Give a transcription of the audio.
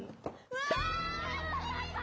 うわ！